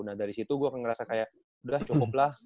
nah dari situ gue akan ngerasa kayak udah cukup lah